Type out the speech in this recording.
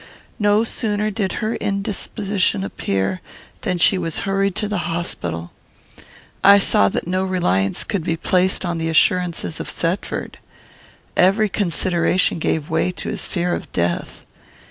"No sooner did her indisposition appear, than she was hurried to the hospital. I saw that no reliance could be placed upon the assurances of Thetford. Every consideration gave way to his fear of death.